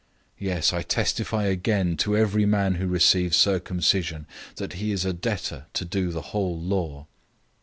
005:003 Yes, I testify again to every man who receives circumcision, that he is a debtor to do the whole law.